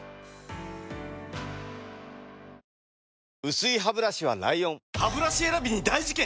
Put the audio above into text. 薄いハブラシは ＬＩＯＮハブラシ選びに大事件！